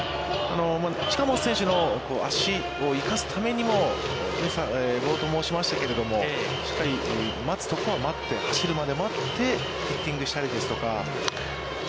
近本選手の足を生かすためにも、冒頭申しましたけれども、しっかり待つところは待って、走るまで待ってヒッティングしたりですとか。